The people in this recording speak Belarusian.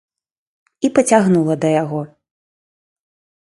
І пацягнула да яго.